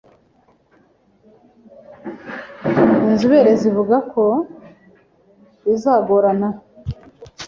Inzobere zivuga ko bizagorana